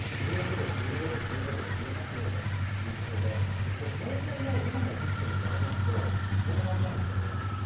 １６度、１５度、１５度１８度ということで平年の今の時期と比べるとこんな感じなんですよね。